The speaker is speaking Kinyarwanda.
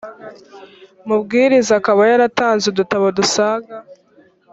mubwiriza akaba yaratanze udutabo dusaga